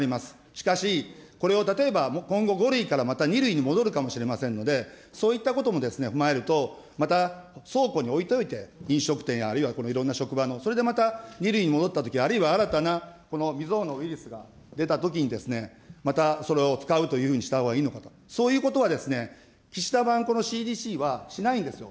しかし、これを例えば今後、５類からまた２類に戻るかもしれませんので、そういったことも踏まえると、また、倉庫に置いておいて飲食店やあるいはこのいろんな職場の、それでまた、２類に戻ったとき、あるいは新たな未曽有のウイルスが出たときに、また、それを使うというふうにしたほうがいいのかと、そういうことは岸田版このＣＤＣは、しないんですよ。